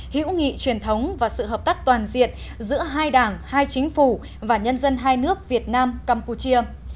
hữu nghị truyền thống và sự hợp tác toàn diện giữa hai đảng hai chính phủ và nhân dân hai nước việt nam campuchia